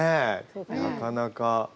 なかなか。